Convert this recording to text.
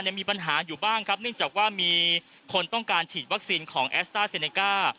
มีปัญหาอยู่บ้างครับเนื่องจากว่ามีคนต้องการฉีดวัคซีนของแอสต้าเซเนก้า